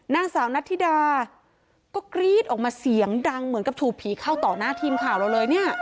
นางสาวนัทธิดาก็กรี๊ดออกมาเสียงดังเหมือนกับถูกผีเข้าต่อหน้าทีมข่าวเราเลยเนี่ย